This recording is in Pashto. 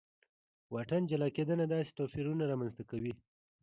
واټن جلا کېدنه داسې توپیرونه رامنځته کوي.